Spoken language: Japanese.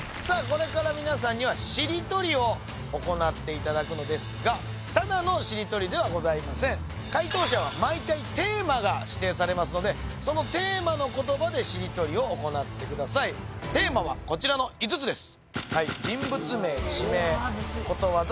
これから皆さんにはしりとりを行っていただくのですがただのしりとりではございません解答者は毎回テーマが指定されますのでそのテーマの言葉でしりとりを行ってくださいテーマはこちらの５つです